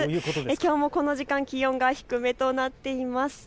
きょうもこの時間気温が低めとなっています。